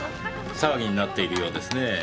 騒ぎになっているようですねぇ。